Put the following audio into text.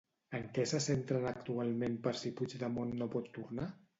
En què se centren actualment per si Puigdemont no pot tornar?